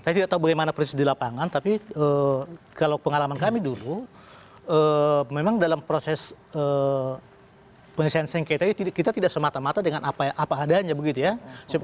saya tidak tahu bagaimana proses di lapangan tapi kalau pengalaman kami dulu memang dalam proses penelitian sengketa itu kita tidak semata mata dengan apa yang ada di lapangan